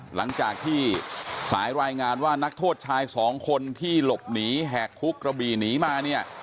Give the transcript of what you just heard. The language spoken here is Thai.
หลังจากที่สายรายงานว่านักโทษชายสองคนที่หลบหนีแหกคุกกระบี่หนีมาเนี่ย